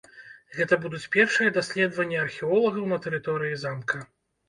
Гэта будуць першыя даследаванні археолагаў на тэрыторыі замка.